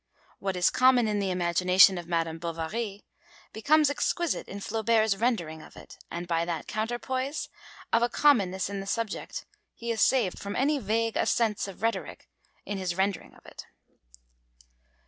What is common in the imagination of Madame Bovary becomes exquisite in Flaubert's rendering of it, and by that counterpoise of a commonness in the subject he is saved from any vague ascents of rhetoric in his rendering of it.